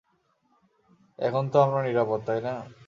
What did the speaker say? এখন তো আমরা নিরাপদ, তাই না?